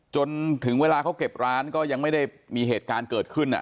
จนถึงเวลาเขาเก็บร้านก็ยังไม่ได้มีเหตุการณ์เกิดขึ้น